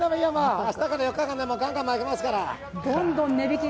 明日から４日間、ガンガン負けますから。